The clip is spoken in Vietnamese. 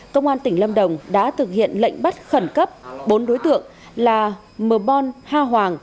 công an tỉnh lâm đồng đã thực hiện lệnh bắt khẩn cấp bốn đối tượng là mờ bon ha hoàng